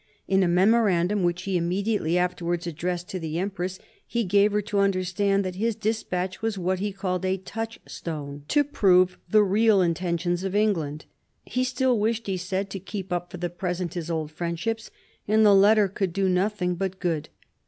In a memorandum which he immediately afterwards addressed to the empress, he gave her to understand that his despatch was what he called a " touch stone " to prove the real intentions of England. He still wished, he said, to keep up for the present his old friendships, and the letter could do nothing but good.